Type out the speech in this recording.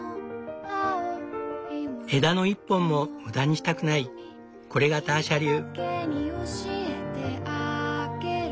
枝の一本も無駄にしたくないこれがターシャ流。